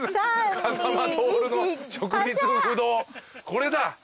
これだ。